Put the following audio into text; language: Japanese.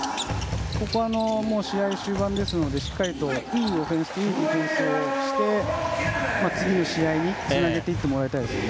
ここは試合終盤ですのでしっかりいいオフェンスといいディフェンスをして次の試合につなげていってもらいたいですね。